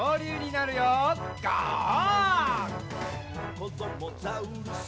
「こどもザウルス